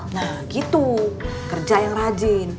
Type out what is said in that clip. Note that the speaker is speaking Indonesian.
nah gitu kerja yang rajin